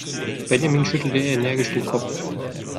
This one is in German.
Benjamin schüttelte energisch den Kopf.